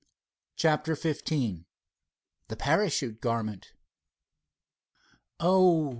CHAPTER XV THE PARACHUTE GARMENT "Oh!"